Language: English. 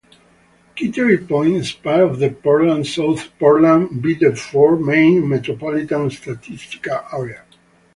Kittery Point is part of the Portland-South Portland-Biddeford, Maine Metropolitan Statistical Area.